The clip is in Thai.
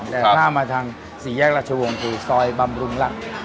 แต่ถ้ามาทางสี่แยกราชวงศ์คือซอยบำรุงหลัก